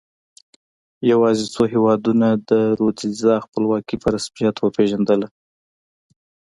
یوازې څو هېوادونو د رودزیا خپلواکي په رسمیت وپېژندله.